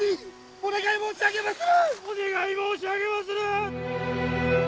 お願い申し上げまする！